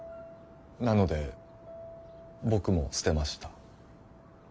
なので僕も捨てました。